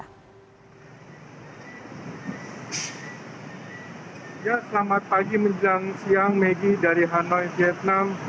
selamat pagi menjelang siang maggie dari hanoi vietnam